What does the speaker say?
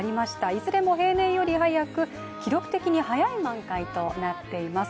いずれも平年より早く記録的に早い満開となっています。